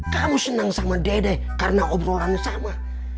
kamu senang sama dedek karena obrolan sama